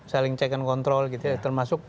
saling cek dan kontrol termasuk